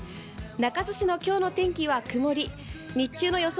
中津市の今日の天気は曇り、日中の予想